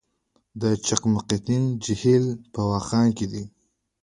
د چقمقتین جهیل په واخان کې دی